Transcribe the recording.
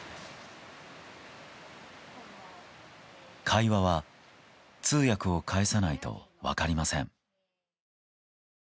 会話は通訳を介さないと分かりません。